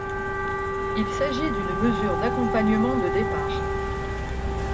Il s'agit d'une mesure d'accompagnement de départ.